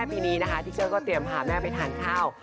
ดูวัตเกอร์ก็เปรียบเตรียมวัลแม่ไปหาค่า